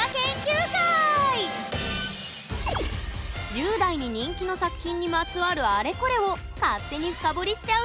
１０代に人気の作品にまつわるあれこれを勝手に深掘りしちゃうよ！